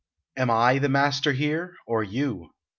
Am I the master here, or you?